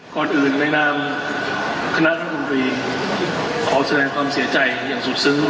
ก่อนอื่นในนามคณะรัฐมนตรีขอแสดงความเสียใจอย่างสุดซึ้ง